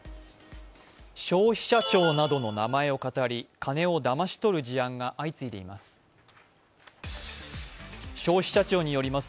消費者庁などの名前をかたり金をだまし取る事案が相次いでいます。